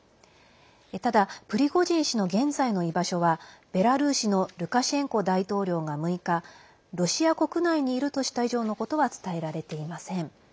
ただ、プリゴジン氏の現在の居場所はベラルーシのルカシェンコ大統領が６日、ロシア国内にいるとした以上のことは伝えられていません。